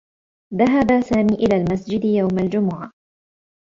ذهب سامي إلى المسجد يوم الجمعة.